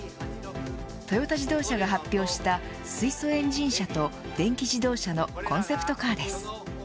トヨタ自動車が発表した水素エンジン車と電気自動車のコンセプトカーです。